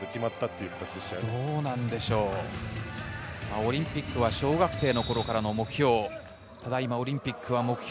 オリンピックは小学生の頃からの目標。